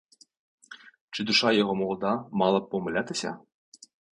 Чи душа його молода мала б помилятись?